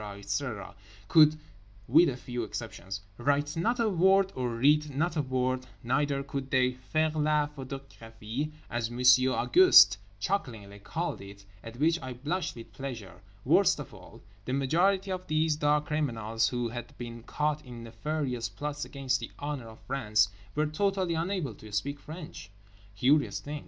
etc., could (with a few exceptions) write not a word and read not a word; neither could they faire la photographie as Monsieur Auguste chucklingly called it (at which I blushed with pleasure): worst of all, the majority of these dark criminals who had been caught in nefarious plots against the honour of France were totally unable to speak French. Curious thing.